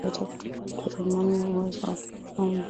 tangazo la vita kutoka Ujerumani Uwezo wa kiuchumi